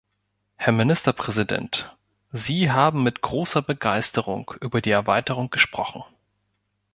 Herr Ministerpräsident, Sie haben mit großer Begeisterung über die Erweiterung gesprochen.